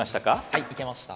はいいけました。